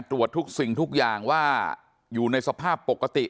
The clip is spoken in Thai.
ตรวจทุกสิ่งทุกอย่างว่าอยู่ในสภาพปกติ